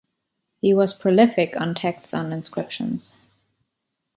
He was prolific on texts on inscriptions.